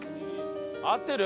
合ってる？